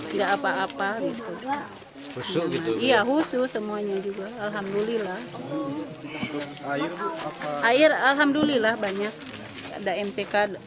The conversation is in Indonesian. enggak apa apa gitu iya khusus semuanya juga alhamdulillah air alhamdulillah banyak ada mck